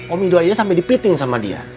om ido aja sampe dipiting sama dia